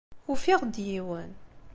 Ufiɣ-d yiwen.